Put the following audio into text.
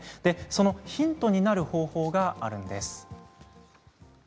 そのヒントになる方法があります。